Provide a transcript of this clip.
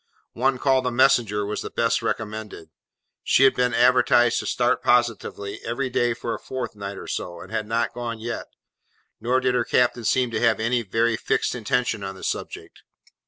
One called the Messenger was the best recommended. She had been advertised to start positively, every day for a fortnight or so, and had not gone yet, nor did her captain seem to have any very fixed intention on the subject.